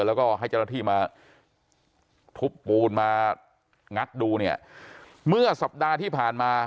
แล้วก็ให้เจ้าหน้าที่มาทุบปูนมางัดดูเนี่ยเมื่อสัปดาห์ที่ผ่านมา